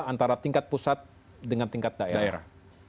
antara tingkat pusat dengan tingkat daerah